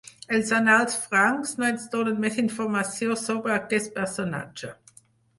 Els annals francs no ens donen més informació sobre aquest personatge.